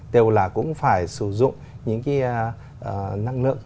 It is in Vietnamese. đều là cũng phải sử dụng những cái năng lượng